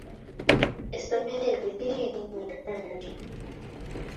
Essomero eryo lirina erinnya eddungi.